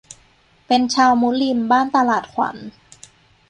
เป็นชาวมุลิมบ้านตลาดขวัญ